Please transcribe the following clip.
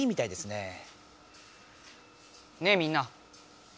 ねえみんな。